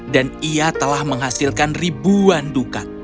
dan ia telah menghasilkan ribuan dukan